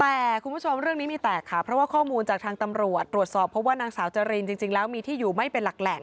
แต่คุณผู้ชมเรื่องนี้มีแตกค่ะเพราะว่าข้อมูลจากทางตำรวจตรวจสอบเพราะว่านางสาวจรินจริงแล้วมีที่อยู่ไม่เป็นหลักแหล่ง